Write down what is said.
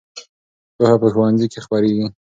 پوهه په ښوونځي کې خپرېږي.